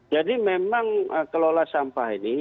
jadi memang kelola sampah ini